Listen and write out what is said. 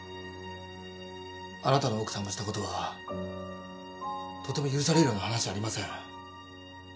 あなたの奥さんがしたことはとても許されるような話じゃありません。